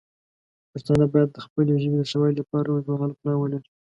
پښتانه باید د خپلې ژبې د ښه والی لپاره اوږدمهاله پلان ولري.